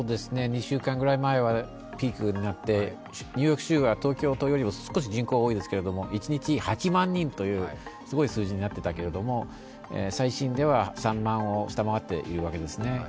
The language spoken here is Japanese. ２週間ぐらい前はピークになって、ニューヨーク州は東京都よりも少し人口が多いですが、一日８万人というすごい数字になっていたけれども、最新では３万を下回っているわけですね。